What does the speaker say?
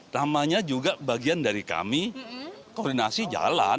namanya juga bagian dari kami koordinasi jalan